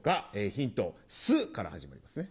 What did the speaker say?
ヒント「す」から始まりますね。